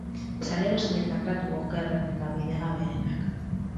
Salerosi eta tratu okerren eta bidegabeenak.